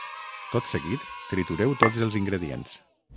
tot seguit tritureu tots els ingredients